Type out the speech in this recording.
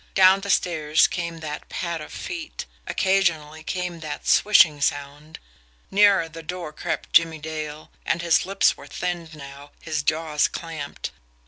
Down the stairs came that pad of feet; occasionally came that swishing sound. Nearer the door crept Jimmie Dale, and his lips were thinned now, his jaws clamped.